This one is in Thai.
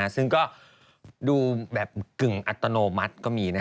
ซึ่งก็ดูแบบกึ่งอัตโนมัติก็มี